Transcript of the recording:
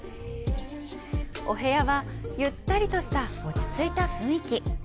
お部屋は、ゆったりとした落ち着いた雰囲気。